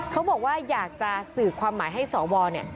เขาบอกว่าอยากจะสื่อความหมายให้สวเนี่ย